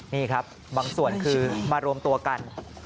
นี่ครับบางส่วนคือมารวมตัวกัน